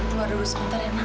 keluar dulu sebentar ya mak